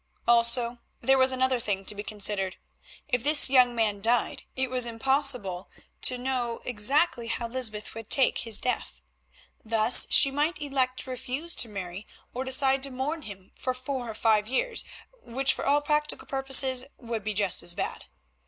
Also, there was another thing to be considered. If this young man died it was impossible to know exactly how Lysbeth would take his death. Thus she might elect to refuse to marry or decide to mourn him for four or five years, which for all practical purposes would be just as bad.